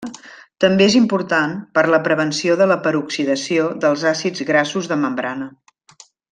També és important per la prevenció de la peroxidació dels àcids grassos de membrana.